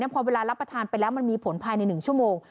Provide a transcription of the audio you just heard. พอเวลารับประทานไปแล้วมันมีผลภายใน๑ชั่วโมง